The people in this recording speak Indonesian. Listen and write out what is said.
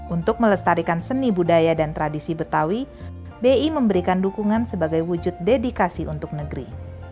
untuk melestarikan seni budaya dan tradisi betawi bi memberikan dukungan sebagai wujud dedikasi untuk negeri